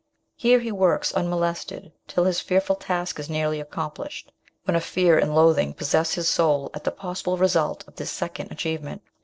Here he works unmolested till his fearful task is nearly accom plished, when a fear and loathing possess his soul at the possible result of this second achievement.